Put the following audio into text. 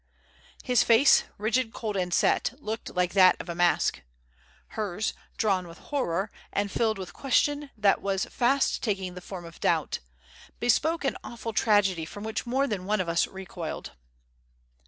His face, rigid, cold, and set, looked like that of a mask. Hers, drawn with horror and filled with question that was fast taking the form of doubt, bespoke an awful tragedy from which more than one of us recoiled.